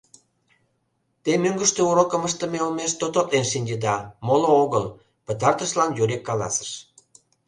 — Те мӧҥгыштӧ урокым ыштыме олмеш тототлен шинчеда, моло огыл, — пытартышлан Юрик каласыш.